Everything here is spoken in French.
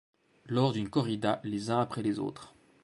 Lors d'une corrida, les uns après les autres.